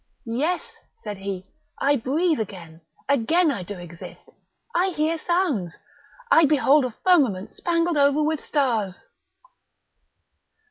"Yes," said he, "I breathe again! again do I exist! I hear sounds! I behold a firmament spangled over with stars!"